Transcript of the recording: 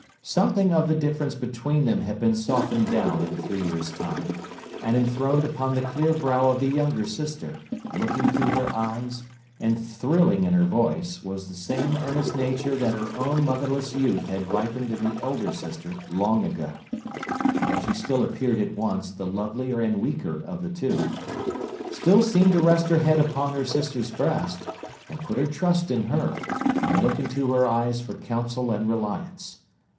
Something of the difference between them had been softened down in three years' time; and enthroned upon the clear brow of the younger sister, looking through her eyes, and thrilling in her voice, was the same earnest nature that her own motherless youth had ripened in the elder sister long ago. But she still appeared at once the lovelier and weaker of the two; still seemed to rest her head upon her sister's breast, and put her trust in her, and look into her eyes for counsel and reliance.